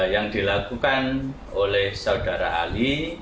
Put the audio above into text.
yang dilakukan oleh saudara ali